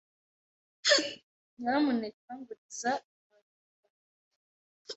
Nyamuneka nguriza inkoranyamagambo yawe.